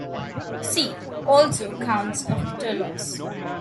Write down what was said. See also Counts of Toulouse.